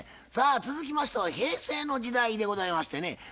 さあ続きましては平成の時代でございましてね。